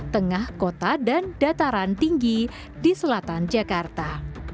tengah kota dan dataran tinggi di selatan jakarta